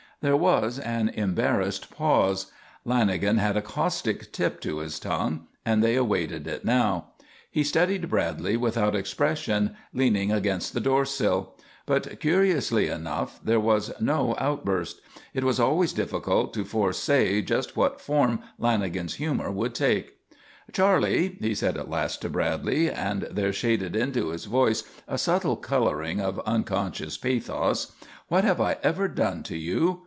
There was an embarrassed pause. Lanagan had a caustic tip to his tongue and they awaited it now. He studied Bradley without expression, leaning against the door sill. But, curiously enough, there was no outburst. It was always difficult to foresay just what form Lanagan's humour would take. "Charley," he said at last to Bradley, and there shaded into his voice a subtle colouring of unconscious pathos, "What have I ever done to you?